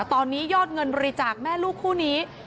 ตอนนี้ยอดเงินบริจาคแม่ลูกคู่นี้